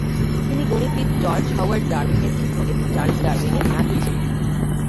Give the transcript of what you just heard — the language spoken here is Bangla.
তিনি গণিতবিদ জর্জ হাওয়ার্ড ডারউইনের পুত্র এবং চার্লস ডারউইনের নাতি ছিলেন।